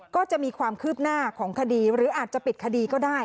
ก็จะมีความคืบหน้าของคดีหรืออาจจะปิดคดีก็ได้